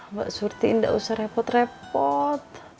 mbak surti nggak usah repot repot